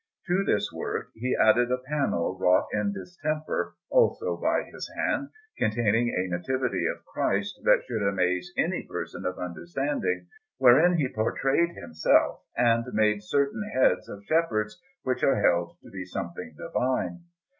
To this work he added a panel wrought in distemper, also by his hand, containing a Nativity of Christ that should amaze any person of understanding, wherein he portrayed himself and made certain heads of shepherds, which are held to be something divine.